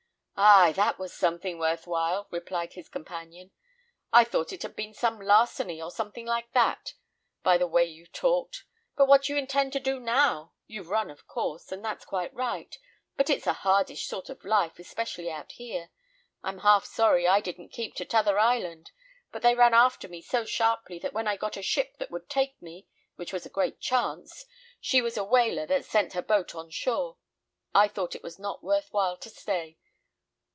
"Ay, that was something worth while," replied his companion. "I thought it had been some larceny, or something like that, by the way you talked. But what do you intend to do now? You've run, of course, and that's quite right; but it's a hardish sort of life, especially out here. I'm half sorry I didn't keep in 'tother island; but they ran after me so sharply, than when I got a ship that would take me, which was a great chance she was a whaler that sent her boat on shore I thought it was not worth while to stay.